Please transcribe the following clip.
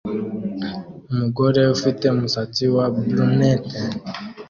Umugore ufite umusatsi wa brunette